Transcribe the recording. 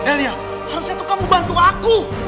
delia harusnya tuh kamu bantu aku